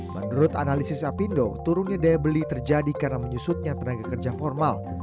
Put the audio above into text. menurut analisis apindo turunnya daya beli terjadi karena menyusutnya tenaga kerja formal